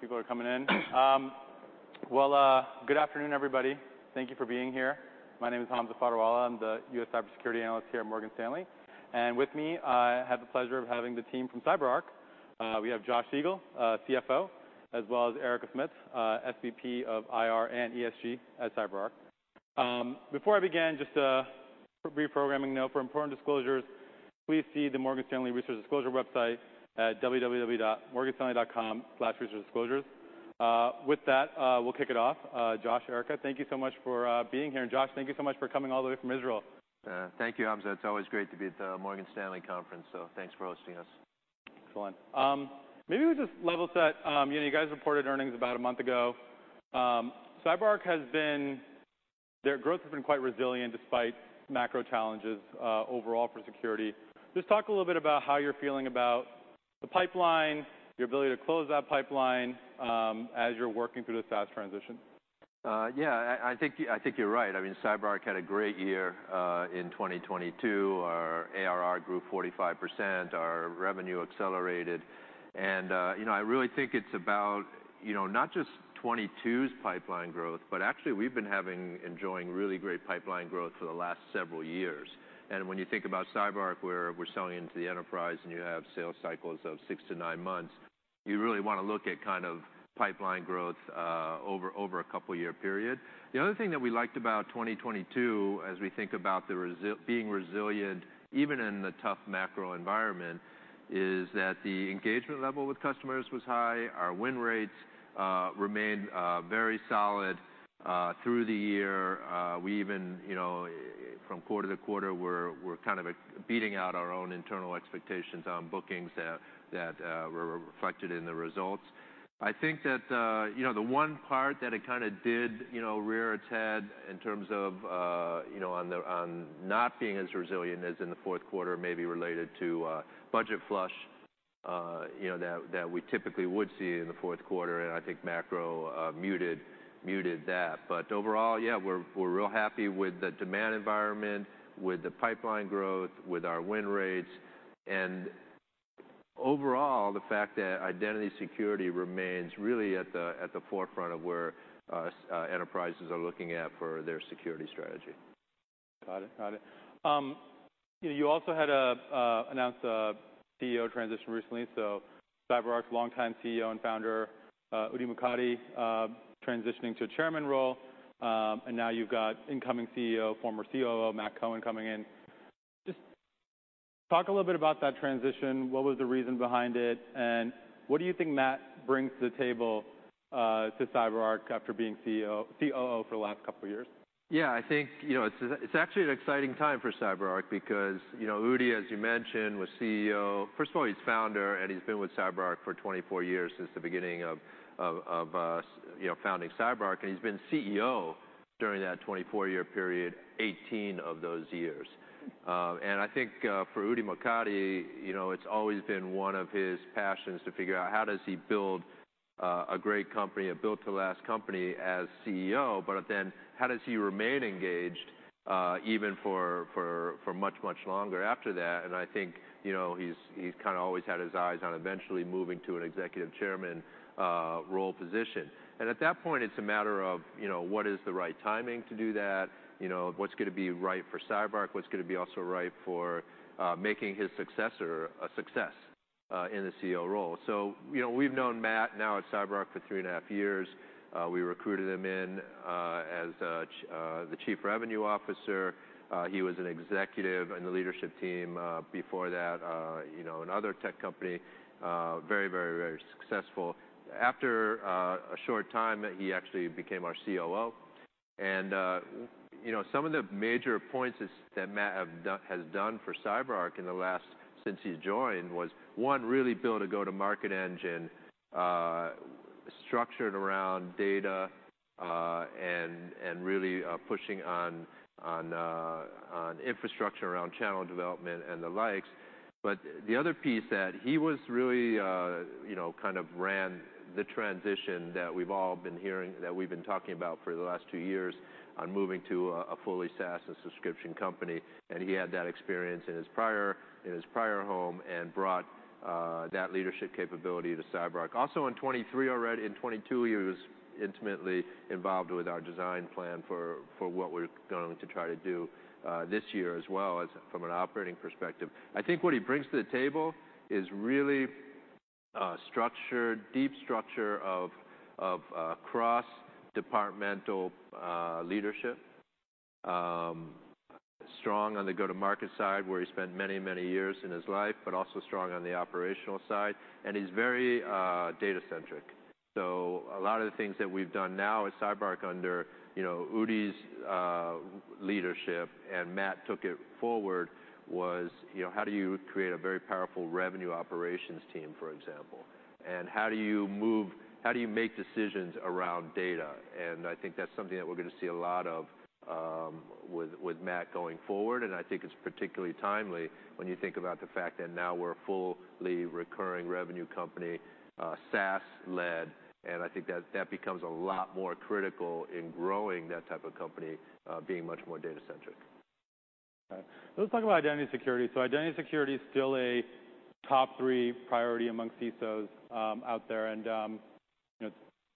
All right. Okay, good people are coming in. Well, good afternoon, everybody. Thank you for being here. My name is Hamza Fodderwala. I'm the U.S. Cybersecurity Analyst here at Morgan Stanley. With me, I have the pleasure of having the team from CyberArk. We have Josh Siegel, CFO, as well as Erica Smith, SVP of IR and ESG at CyberArk. Before I begin, just a reprogramming note for important disclosures, please see the Morgan Stanley Research Disclosure website at www.morganstanley.com/researchdisclosures. With that, we'll kick it off. Josh, Erica, thank you so much for being here. Josh, thank you so much for coming all the way from Israel. Thank you, Hamza. It's always great to be at the Morgan Stanley Conference. Thanks for hosting us. Excellent. maybe we just level set. you know, you guys reported earnings about a month ago. Their growth has been quite resilient despite macro challenges, overall for security. Just talk a little bit about how you're feeling about the pipeline, your ability to close that pipeline, as you're working through the SaaS transition. Yeah. I think you're right. I mean, CyberArk had a great year in 2022. Our ARR grew 45%. Our revenue accelerated. You know, I really think it's about, you know, not just 2022's pipeline growth, but actually we've been having enjoying really great pipeline growth for the last several years. When you think about CyberArk, we're selling into the enterprise, and you have sales cycles of six-nine months, you really wanna look at kind of pipeline growth over a couple year period. The other thing that we liked about 2022 as we think about being resilient, even in the tough macro environment, is that the engagement level with customers was high. Our win rates remained very solid through the year. We even, you know, from quarter to quarter we're kind of, beating out our own internal expectations on bookings that were reflected in the results. I think that, you know, the one part that it kinda did, you know, rear its head in terms of, you know, on not being as resilient as in the fourth quarter maybe related to, budget flush, you know, that we typically would see in the fourth quarter, and I think macro muted that. Overall, yeah, we're real happy with the demand environment, with the pipeline growth, with our win rates, and overall, the fact that Identity Security remains really at the, at the forefront of where enterprises are looking at for their security strategy. Got it. Got it. You know, you also had announced a CEO transition recently. CyberArk's longtime CEO and founder, Udi Mokady, transitioning to a chairman role, and now you've got incoming CEO, former COO, Matt Cohen, coming in. Just talk a little bit about that transition. What was the reason behind it, and what do you think Matt brings to the table to CyberArk after being COO for the last couple years? Yeah. I think, you know, it's actually an exciting time for CyberArk because, you know, Udi, as you mentioned, was CEO. First of all, he's founder, and he's been with CyberArk for 24 years since the beginning of, you know, founding CyberArk, and he's been CEO during that 24-year period, 18 of those years. I think, for Udi Mokady, you know, it's always been one of his passions to figure out how does he build, a great company, a built-to-last company as CEO, but then how does he remain engaged, even for much, much longer after that? I think, you know, he's kinda always had his eyes on eventually moving to an Executive Chairman, role position. At that point, it's a matter of, you know, what is the right timing to do that, you know, what's gonna be right for CyberArk, what's gonna be also right for making his successor a success in the CEO role. You know, we've known Matt now at CyberArk for three and a half years. We recruited him in as the Chief Revenue Officer. He was an executive in the leadership team before that, you know, in another tech company, very, very, very successful. After a short time, he actually became our COO. You know, some of the major points that Matt has done for CyberArk in the last. Since he's joined was, one, really build a go-to-market engine, structured around data, and really pushing on infrastructure around channel development and the likes. The other piece that he was really, you know, kind of ran the transition that we've all been hearing, that we've been talking about for the last two years on moving to a fully SaaS and subscription company, and he had that experience in his prior home and brought that leadership capability to CyberArk. Also, in 23 already, in 22, he was intimately involved with our design plan for what we're going to try to do this year as well as from an operating perspective. I think what he brings to the table is really a structure, deep structure of cross-departmental leadership. Strong on the go-to-market side, where he spent many, many years in his life, also strong on the operational side. He's very data-centric. A lot of the things that we've done now at CyberArk under, you know, Udi's leadership, and Matt took it forward, was, you know, how do you create a very powerful Revenue Operations team, for example? How do you make decisions around data? I think that's something that we're gonna see a lot of with Matt going forward, I think it's particularly timely when you think about the fact that now we're a fully recurring revenue company, SaaS-led, I think that becomes a lot more critical in growing that type of company, being much more data-centric. Let's talk about Identity Security. Identity Security is still a top three priority amongst CISOs out there, and, you know,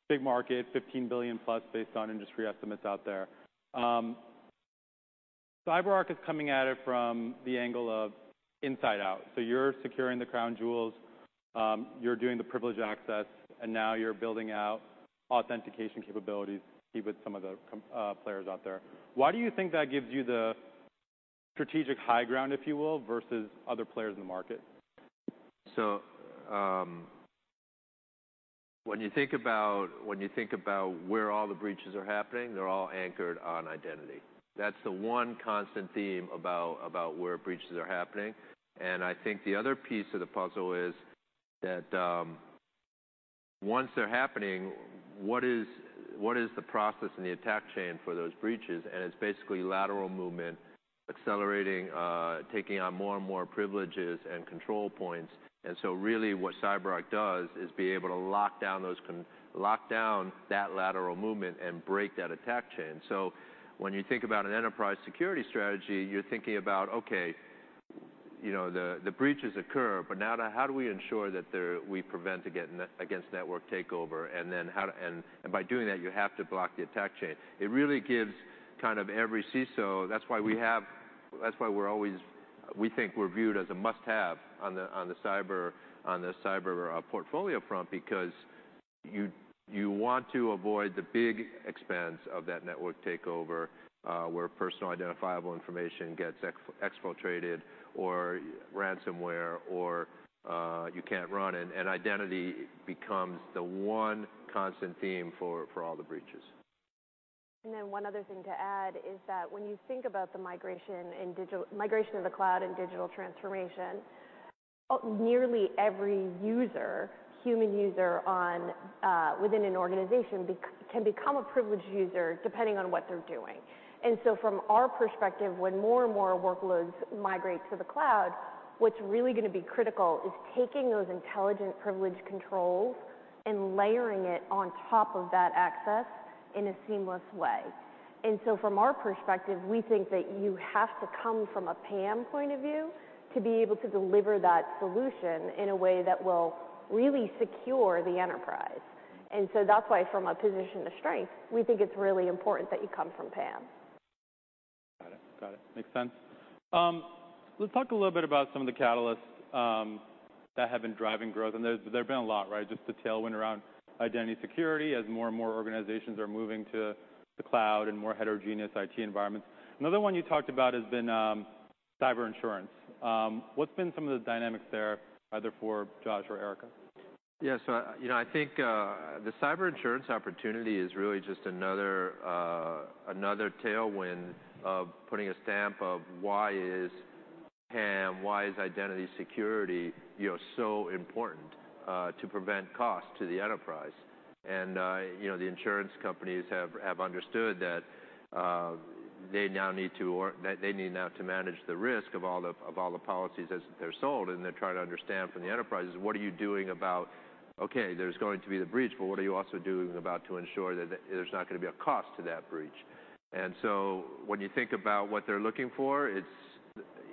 big market, $15 billion+ based on industry estimates out there. CyberArk is coming at it from the angle of inside out. You're securing the crown jewels, you're doing the privileged access, and now you're building out authentication capabilities with some of the players out there. Why do you think that gives you the strategic high ground, if you will, versus other players in the market? When you think about where all the breaches are happening, they're all anchored on identity. That's the one constant theme about where breaches are happening. I think the other piece of the puzzle is that once they're happening, what is the process and the attack chain for those breaches? It's basically lateral movement accelerating, taking on more and more privileges and control points. Really what CyberArk does is be able to lock down that lateral movement and break that attack chain. When you think about an enterprise security strategy, you're thinking about, okay, you know, the breaches occur, but now how do we ensure that we prevent against network takeover? By doing that, you have to block the attack chain. It really gives kind of every CISO. We think we're viewed as a must-have on the cyber portfolio front because you want to avoid the big expense of that network takeover, where personally identifiable information gets exfiltrated or ransomware or you can't run. Identity becomes the one constant theme for all the breaches. One other thing to add is that when you think about the migration to the cloud and digital transformation, nearly every user, human user on, within an organization can become a privileged user depending on what they're doing. From our perspective, when more and more workloads migrate to the cloud, what's really gonna be critical is taking those intelligent privilege controls and layering it on top of that access in a seamless way. From our perspective, we think that you have to come from a PAM point of view to be able to deliver that solution in a way that will really secure the enterprise. That's why, from a position of strength, we think it's really important that you come from PAM. Got it. Makes sense. Let's talk a little bit about some of the catalysts that have been driving growth, there have been a lot, right? Just the tailwind around Identity Security as more and more organizations are moving to the cloud and more heterogeneous IT environments. Another one you talked about has been cyber insurance. What's been some of the dynamics there either for Josh or Erica? Yeah. you know, I think, the cyber insurance opportunity is really just another tailwind of putting a stamp of why is PAM, why is Identity Security, you know, so important, to prevent cost to the enterprise. you know, the insurance companies have understood that, they need now to manage the risk of all the policies as they're sold, and they're trying to understand from the enterprises, what are you doing about, okay, there's going to be the breach, but what are you also doing about to ensure that there's not gonna be a cost to that breach? When you think about what they're looking for, it's,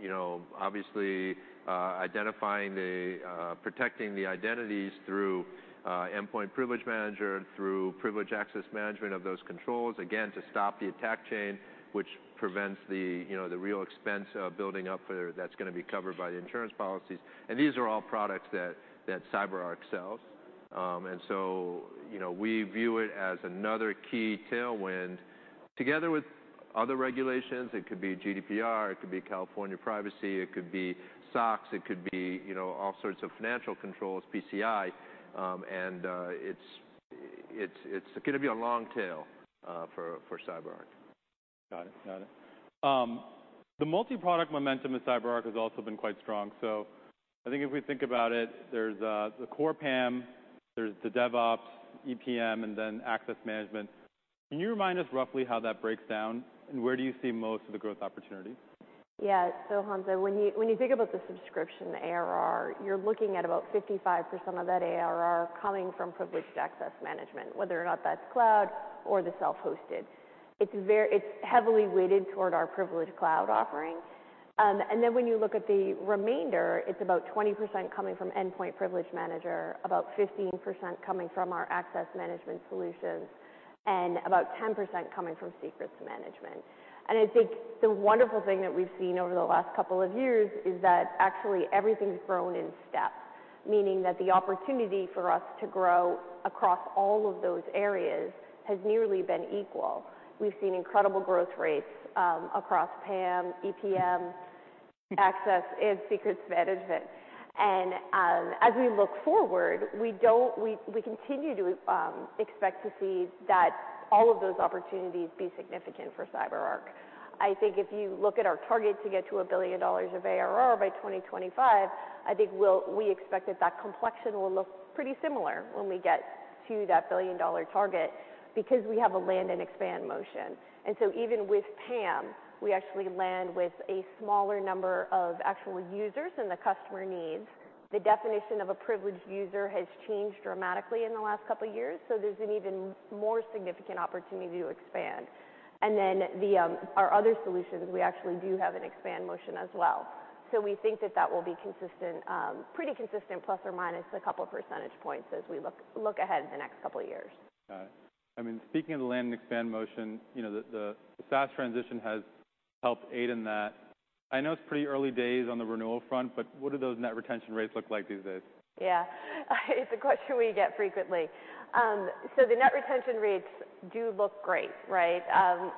you know, obviously, identifying the, protecting the identities through Endpoint Privilege Manager, through Privileged Access Management of those controls, again, to stop the attack chain, which prevents the, you know, the real expense of building up for that's gonna be covered by the insurance policies. These are all products that CyberArk sells. You know, we view it as another key tailwind together with other regulations. It could be GDPR, it could be California Privacy, it could be SOX, it could be, you know, all sorts of financial controls, PCI, and, it's, it's gonna be a long tail, for CyberArk. Got it. Got it. The multi-product momentum at CyberArk has also been quite strong. I think if we think about it, there's the core PAM, there's the DevOps, EPM, and then Access Management. Can you remind us roughly how that breaks down, and where do you see most of the growth opportunities? Yeah. Hamza, when you think about the subscription, the ARR, you're looking at about 55% of that ARR coming from Privileged Access Management, whether or not that's cloud or the self-hosted. It's heavily weighted toward our Privilege Cloud offering. When you look at the remainder, it's about 20% coming from Endpoint Privilege Manager, about 15% coming from our Access Management solutions, and about 10% coming from Secrets Management. I think the wonderful thing that we've seen over the last couple of years is that actually everything's grown in step, meaning that the opportunity for us to grow across all of those areas has nearly been equal. We've seen incredible growth rates across PAM, EPM, Access, and Secrets Management. As we look forward, we continue to expect to see that all of those opportunities be significant for CyberArk. I think if you look at our target to get to $1 billion of ARR by 2025, I think we expect that that complexion will look pretty similar when we get to that $1 billion target because we have a land and expand motion. So even with PAM, we actually land with a smaller number of actual users than the customer needs. The definition of a privileged user has changed dramatically in the last couple of years, so there's an even more significant opportunity to expand. Then the, our other solutions, we actually do have an expand motion as well. We think that that will be consistent, pretty consistent plus or minus a couple percentage points as we look ahead the next couple years. Got it. I mean, speaking of the land and expand motion, you know, the SaaS transition has helped aid in that. I know it's pretty early days on the renewal front, what do those net retention rate look like these days? Yeah. It's a question we get frequently. The net retention rate do look great, right?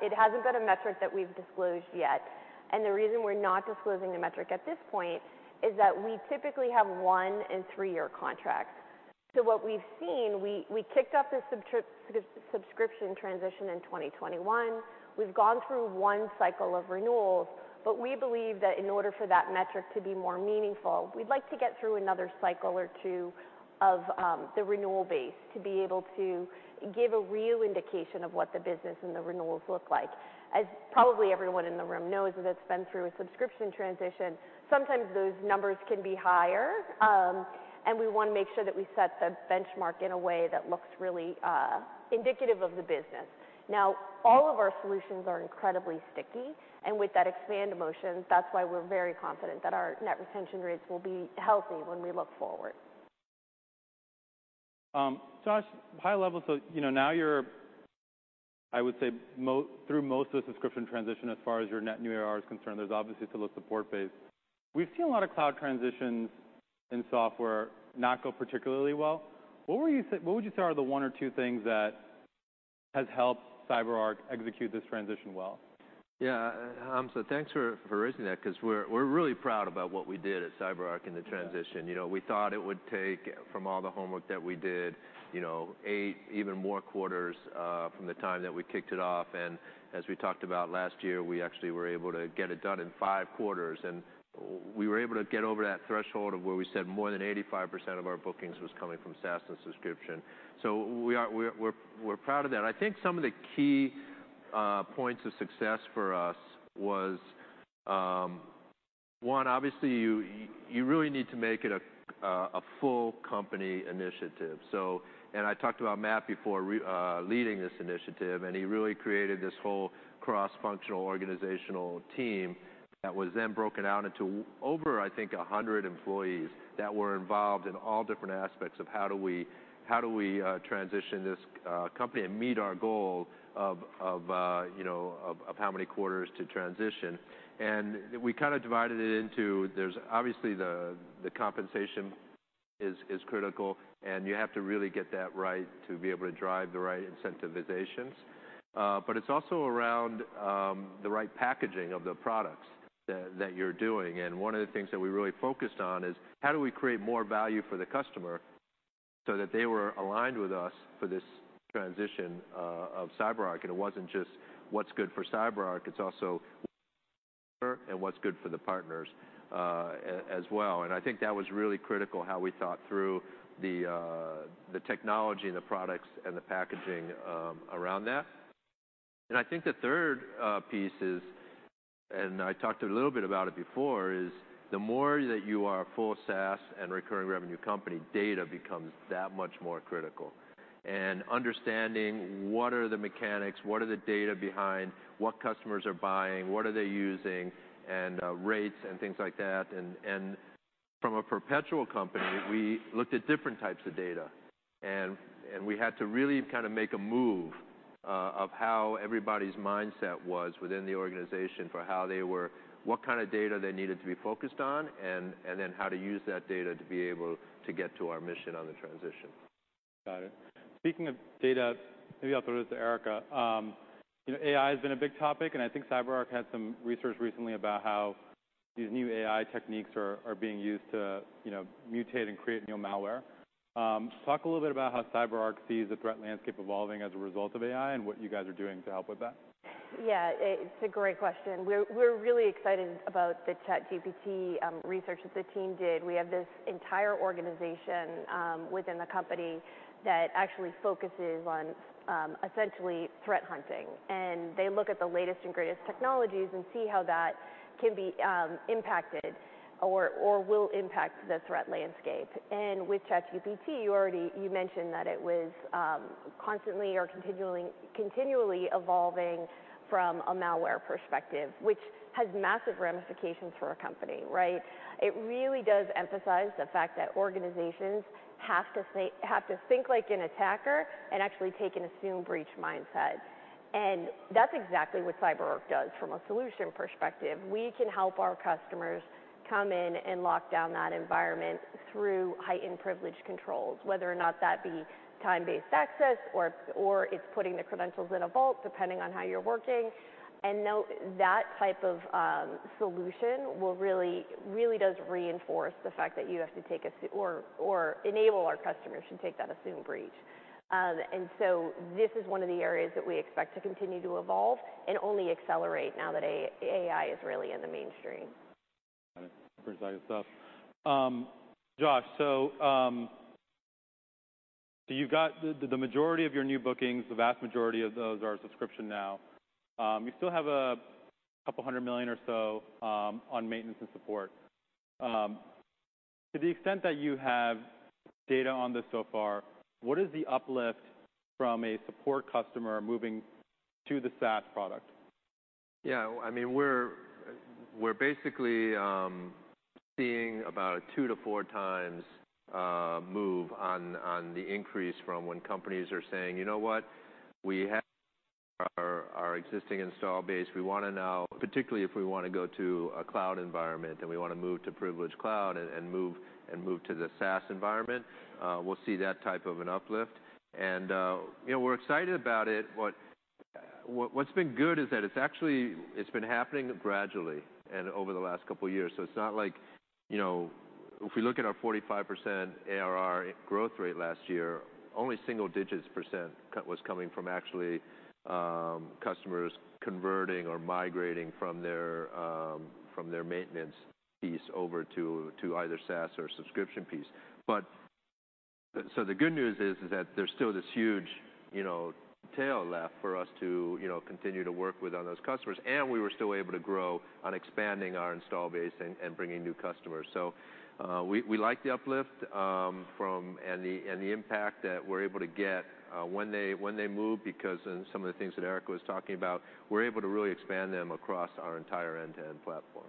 It hasn't been a metric that we've disclosed yet, and the reason we're not disclosing the metric at this point is that we typically have one and three year contracts. What we've seen, we kicked off the subscription transition in 2021. We've gone through one cycle of renewals, but we believe that in order for that metric to be more meaningful, we'd like to get through another cycle or two of the renewal base to be able to give a real indication of what the business and the renewals look like. As probably everyone in the room knows that's been through a subscription transition, sometimes those numbers can be higher, and we wanna make sure that we set the benchmark in a way that looks really indicative of the business. Now, all of our solutions are incredibly sticky, and with that expand motion, that's why we're very confident that our net retention rate will be healthy when we look forward. Josh, high level. You know now you're, I would say, through most of the subscription transition as far as your net new ARR is concerned. There's obviously still a support base. We've seen a lot of cloud transitions in software not go particularly well. What would you say are the one or two things that has helped CyberArk execute this transition well? Yeah. Thanks for raising that 'cause we're really proud about what we did at CyberArk in the transition. You know, we thought it would take, from all the homework that we did, you know, eight, even more quarters, from the time that we kicked it off. As we talked about last year, we actually were able to get it done in five quarters. We were able to get over that threshold of where we said more than 85% of our bookings was coming from SaaS and subscription. We're proud of that. I think some of the key points of success for us was, one, obviously you really need to make it a full company initiative. I talked about Matt Cohen before leading this initiative, he really created this whole cross-functional organizational team that was then broken out into over, I think, 100 employees that were involved in all different aspects of how do we transition this company and meet our goal of, you know, how many quarters to transition. We kind of divided it into there's obviously the compensation is critical, and you have to really get that right to be able to drive the right incentivizations. It's also around the right packaging of the products that you're doing. One of the things that we really focused on is how do we create more value for the customer so that they were aligned with us for this transition of CyberArk. It wasn't just what's good for CyberArk, it's also what's good for the partners as well. I think that was really critical, how we thought through the technology, the products, and the packaging around that. I think the third piece is, and I talked a little bit about it before, is the more that you are a full SaaS and recurring revenue company, data becomes that much more critical. Understanding what are the mechanics, what are the data behind what customers are buying, what are they using, and rates and things like that. From a perpetual company, we looked at different types of data. We had to really kinda make a move of how everybody's mindset was within the organization for how they were. What kind of data they needed to be focused on, and then how to use that data to be able to get to our mission on the transition. Got it. Speaking of data, maybe I'll throw this to Erica. You know, AI has been a big topic, and I think CyberArk had some research recently about how these new AI techniques are being used to, you know, mutate and create new malware. Talk a little bit about how CyberArk sees the threat landscape evolving as a result of AI and what you guys are doing to help with that. Yeah. It's a great question. We're really excited about the ChatGPT research that the team did. We have this entire organization within the company that actually focuses on essentially threat hunting. They look at the latest and greatest technologies and see how that can be impacted or will impact the threat landscape. With ChatGPT, you mentioned that it was constantly or continually evolving from a malware perspective, which has massive ramifications for a company, right? It really does emphasize the fact that organizations have to think like an attacker and actually take an Assume-Breach mindset. That's exactly what CyberArk does from a solution perspective. We can help our customers come in and lock down that environment through heightened privileged controls, whether or not that be time-based access or it's putting the credentials in a vault, depending on how you're working. No, that type of solution will really does reinforce the fact that you have to take or enable our customers to take that Assume-Breach. This is one of the areas that we expect to continue to evolve and only accelerate now that AI is really in the mainstream. Got it. Pretty exciting stuff. Josh, you've got the majority of your new bookings, the vast majority of those are subscription now. You still have a couple hundred million or so, on maintenance and support. To the extent that you have data on this so far, what is the uplift from a support customer moving to the SaaS product? Yeah, I mean, we're basically seeing about 2x-4x move on the increase from when companies are saying, "You know what? We have our existing install base. We wanna particularly if we wanna go to a cloud environment, then we wanna move to Privileged Cloud and move to the SaaS environment," we'll see that type of an uplift. You know, we're excited about it. What's been good is that it's actually, it's been happening gradually and over the last couple years. It's not like, you know, if we look at our 45% ARR growth rate last year, only single-digits % was coming from actually customers converting or migrating from their from their maintenance piece over to either SaaS or subscription piece. The good news is that there's still this huge, you know, tail left for us to, you know, continue to work with on those customers, and we were still able to grow on expanding our install base and bringing new customers. We, we like the uplift and the impact that we're able to get when they move because in some of the things that Erica was talking about, we're able to really expand them across our entire end-to-end platform.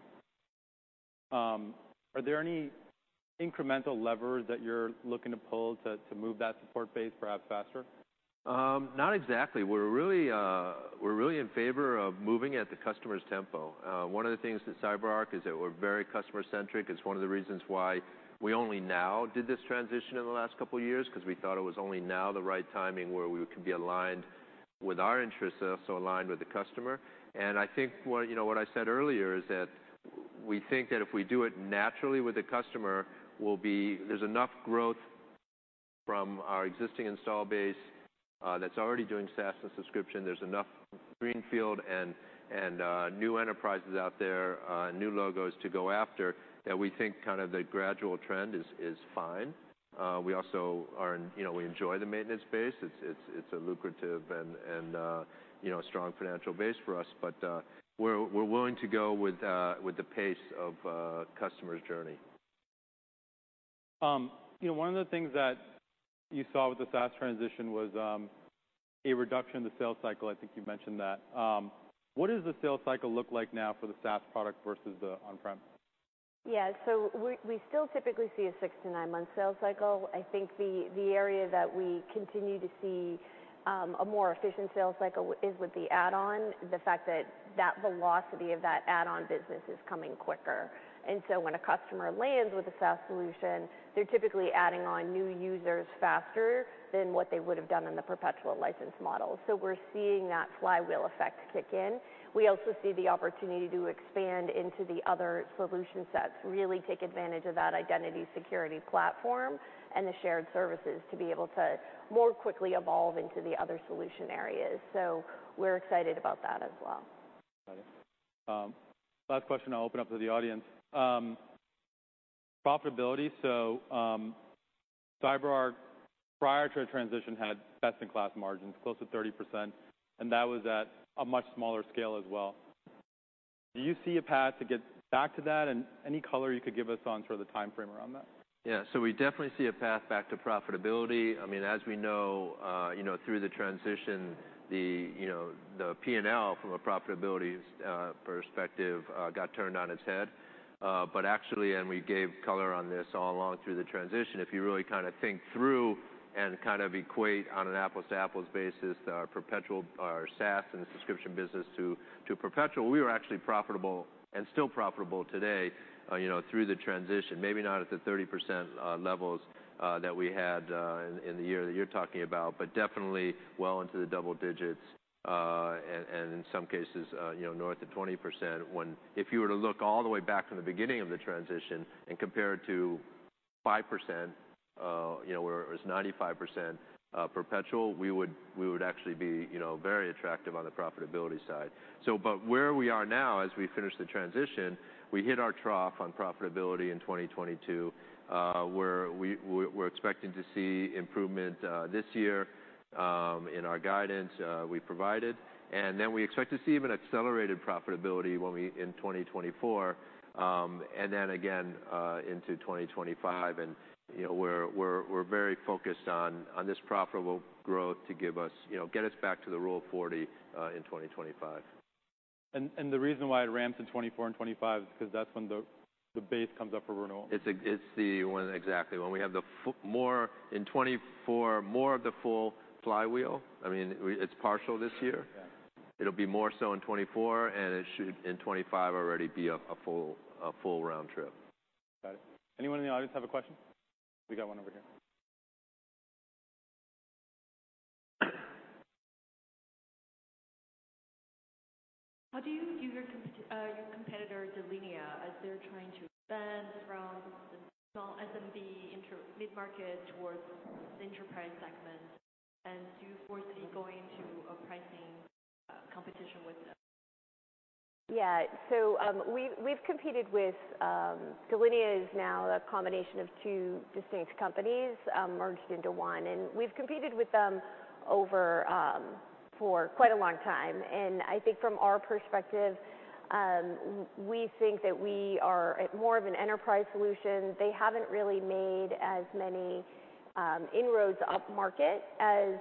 Are there any incremental levers that you're looking to pull to move that support base perhaps faster? Not exactly. We're really, we're really in favor of moving at the customer's tempo. One of the things at CyberArk is that we're very customer-centric. It's one of the reasons why we only now did this transition in the last couple years, 'cause we thought it was only now the right timing where we could be aligned with our interests, also aligned with the customer. I think what, you know, what I said earlier is that we think that if we do it naturally with the customer, there's enough growth from our existing install base that's already doing SaaS and subscription. There's enough greenfield and new enterprises out there, new logos to go after that we think kind of the gradual trend is fine. We also are, you know, we enjoy the maintenance base. It's a lucrative and, you know, strong financial base for us, but we're willing to go with the pace of customers' journey. You know, one of the things that you saw with the SaaS transition was, a reduction in the sales cycle. I think you mentioned that. What does the sales cycle look like now for the SaaS product versus the on-prem? We still typically see a six-nine month sales cycle. I think the area that we continue to see a more efficient sales cycle is with the add-on, the fact that that velocity of that add-on business is coming quicker. When a customer lands with a SaaS solution, they're typically adding on new users faster than what they would have done in the perpetual license model. We're seeing that flywheel effect kick in. We also see the opportunity to expand into the other solution sets, really take advantage of that Identity Security Platform and the shared services to be able to more quickly evolve into the other solution areas. We're excited about that as well. Got it. Last question, I'll open up to the audience. Profitability. CyberArk, prior to transition, had best-in-class margins, close to 30%, and that was at a much smaller scale as well. Do you see a path to get back to that? Any color you could give us on sort of the timeframe around that? We definitely see a path back to profitability. I mean, as we know, you know, through the transition, the, you know, the P&L from a profitability's perspective, got turned on its head. Actually, and we gave color on this all along through the transition, if you really kinda think through and kind of equate on an apples-to-apples basis, our perpetual, our SaaS and the subscription business to perpetual, we were actually profitable and still profitable today, you know, through the transition. Maybe not at the 30% levels that we had in the year that you're talking about, but definitely well into the double digits, and in some cases, you know, north of 20%. If you were to look all the way back to the beginning of the transition and compare it to 5%, you know, where it was 95% perpetual, we would actually be, you know, very attractive on the profitability side. Where we are now as we finish the transition, we hit our trough on profitability in 2022, where we're expecting to see improvement this year in our guidance we provided. Then we expect to see even accelerated profitability when we in 2024, and then again into 2025. You know, we're very focused on this profitable growth to give us, you know, get us back to the Rule of 40 in 2025. The reason why it ramps in 2024 and 2025 is 'cause that's when the base comes up for renewal? It's the one. Exactly. When we have more in 2024, more of the full flywheel. I mean, it's partial this year. Yeah. It'll be more so in 2024, it should in 2025 already be a full round trip. Got it. Anyone in the audience have a question? We got one over here. How do you view your competitor Delinea as they're trying to expand from the small SMB mid-market towards the enterprise segment? Do you foresee going to a pricing competition with them? Yeah. We've competed with Delinea is now a combination of two distinct companies, merged into one, and we've competed with them over for quite a long time. I think from our perspective, we think that we are at more of an enterprise solution. They haven't really made as many inroads upmarket as.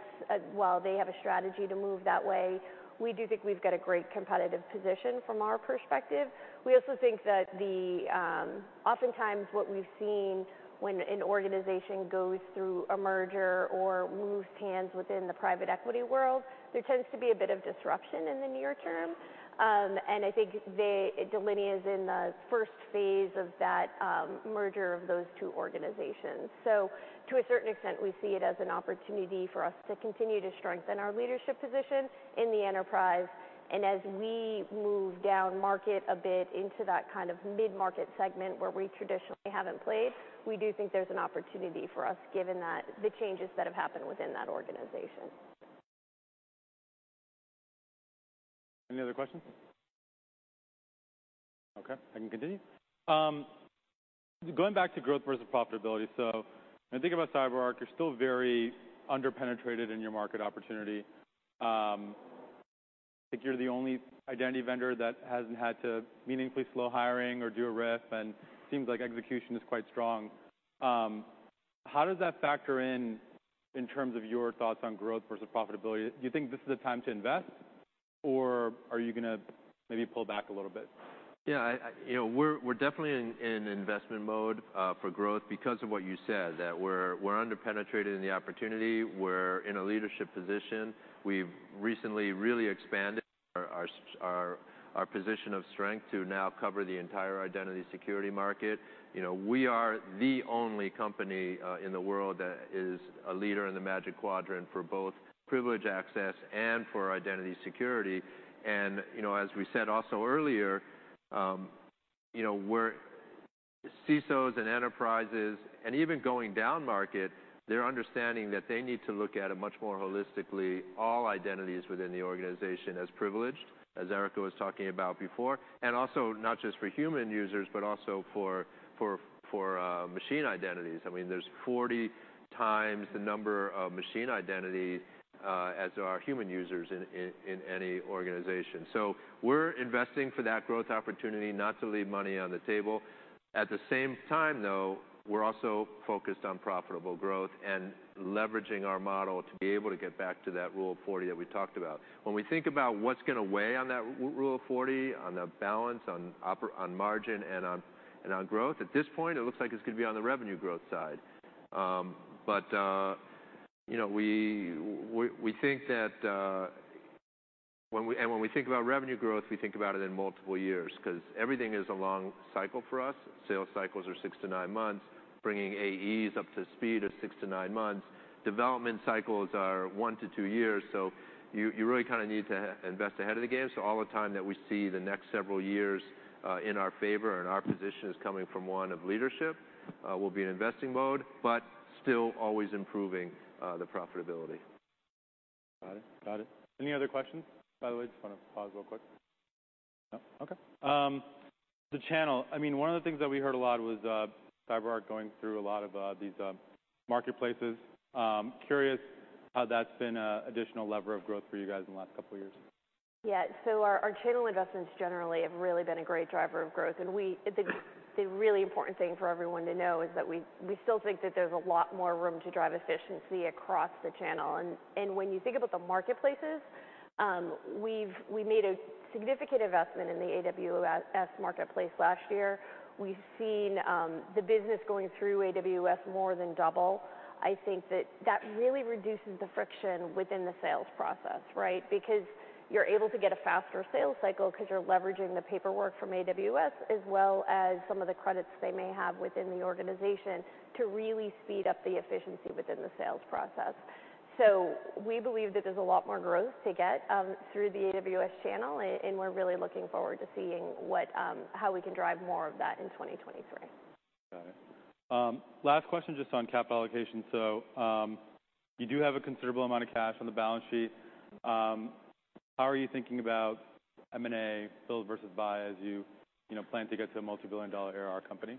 While they have a strategy to move that way, we do think we've got a great competitive position from our perspective. We also think that the oftentimes what we've seen when an organization goes through a merger or moves hands within the private equity world, there tends to be a bit of disruption in the near term. I think they, Delinea is in the first phase of that merger of those two organizations. To a certain extent, we see it as an opportunity for us to continue to strengthen our leadership position in the enterprise. As we move downmarket a bit into that kind of mid-market segment where we traditionally haven't played, we do think there's an opportunity for us given that the changes that have happened within that organization. Any other questions? Okay, I can continue. Going back to growth versus profitability. When I think about CyberArk, you're still very under-penetrated in your market opportunity. I think you're the only identity vendor that hasn't had to meaningfully slow hiring or do a RIF, and seems like execution is quite strong. How does that factor in terms of your thoughts on growth versus profitability? Do you think this is a time to invest, or are you gonna maybe pull back a little bit? Yeah, I, you know, we're definitely in investment mode for growth because of what you said, that we're under-penetrated in the opportunity. We're in a leadership position. We've recently really expanded our position of strength to now cover the entire Identity Security market. You know, we are the only company in the world that is a leader in the Magic Quadrant for both Privileged Access and for Identity Security. You know, as we said also earlier, CISOs and enterprises, and even going downmarket, they're understanding that they need to look at a much more holistically all identities within the organization as privileged, as Erica was talking about before. Also not just for human users, but also for machine identities. I mean, there's 40x the number of machine identities, as there are human users in any organization. We're investing for that growth opportunity, not to leave money on the table. At the same time, though, we're also focused on profitable growth and leveraging our model to be able to get back to that Rule of 40 that we talked about. When we think about what's gonna weigh on that Rule of 40, on the balance on margin and on growth, at this point, it looks like it's gonna be on the revenue growth side. You know, we think that when we think about revenue growth, we think about it in multiple years 'cause everything is a long cycle for us. Sales cycles are six to nine months. Bringing AEs up to speed is six-nine months. Development cycles are one-two years, you really kinda need to invest ahead of the game. All the time that we see the next several years in our favor and our position is coming from one of leadership, we'll be in investing mode, but still always improving the profitability. Got it. Got it. Any other questions? By the way, just wanna pause real quick. No? Okay. The channel, I mean, one of the things that we heard a lot was CyberArk going through a lot of these marketplaces. Curious how that's been a additional lever of growth for you guys in the last couple years. Our channel investments generally have really been a great driver of growth. The really important thing for everyone to know is that we still think that there's a lot more room to drive efficiency across the channel. When you think about the marketplaces, we made a significant investment in the AWS Marketplace last year. We've seen the business going through AWS more than double. I think that really reduces the friction within the sales process, right? You're able to get a faster sales cycle 'cause you're leveraging the paperwork from AWS as well as some of the credits they may have within the organization to really speed up the efficiency within the sales process. We believe that there's a lot more growth to get, through the AWS channel, and we're really looking forward to seeing what, how we can drive more of that in 2023. Got it. Last question just on capital allocation. You do have a considerable amount of cash on the balance sheet. How are you thinking about M&A build versus buy, as you know, plan to get to a multi-billion dollar ARR company?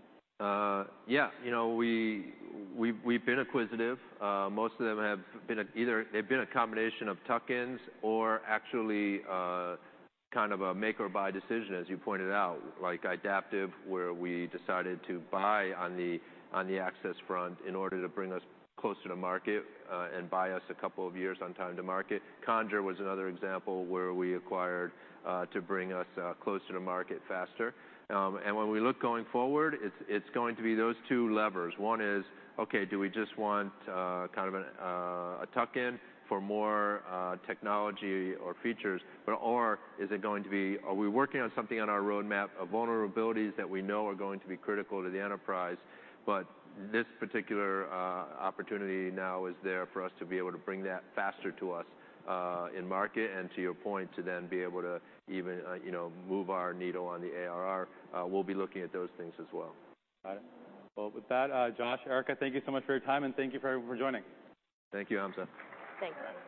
Yeah, you know, we've been acquisitive. Most of them have been either, they've been a combination of tuck-ins or actually, kind of a make or buy decision, as you pointed out, like Idaptive, where we decided to buy on the access front in order to bring us closer to market, and buy us a couple of years on time to market. Conjur was another example where we acquired to bring us closer to market faster. When we look going forward, it's going to be those two levers. One is, okay, do we just want, kind of a tuck-in for more, technology or features? Or is it going to be, are we working on something on our roadmap of vulnerabilities that we know are going to be critical to the enterprise? This particular opportunity now is there for us to be able to bring that faster to us in market, and to your point, to then be able to even, you know, move our needle on the ARR. We'll be looking at those things as well. Got it. Well, with that, Josh, Erica, thank you so much for your time, and thank you for joining. Thank you, Hamza. Thanks.